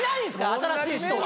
新しい人。